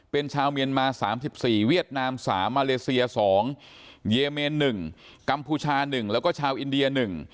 เป็นชาวเมียนมา๓๔เวียดนามสามมาเลเซีย๒เยเมน๑กัมพูชา๑แล้วก็ชาวอินเดีย๑